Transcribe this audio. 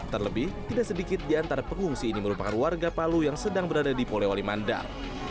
terlebih tidak sedikit di antara pengungsi ini merupakan warga palu yang sedang berada di polewali mandal